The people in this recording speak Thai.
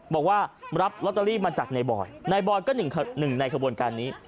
บอกว่ารับลอตเตอรี่มาจากนายบอยนายบอยก็หนึ่งในขบวนการนี้